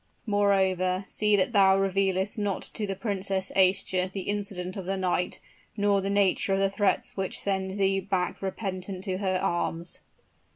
Moreover, see that thou revealest not to the Princess Aischa the incident of the night, nor the nature of the threats which send thee back repentant to her arms.'"